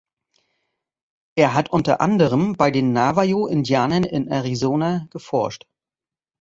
Er hat unter anderem bei den Navajo-Indianern in Arizona geforscht.